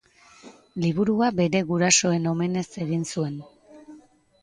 Liburua bere gurasoen omenez egin zuen.